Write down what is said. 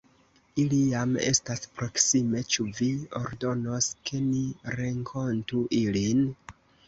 Ili jam estas proksime, ĉu vi ordonos, ke ni renkontu ilin?